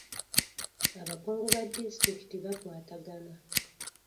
Abakungu ba disitulikiti bakwatagana.